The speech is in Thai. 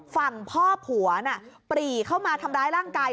ฝั่งพ่อผัวน่ะปรีเข้ามาทำร้ายร่างกาย